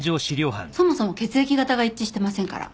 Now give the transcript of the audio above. そもそも血液型が一致してませんから。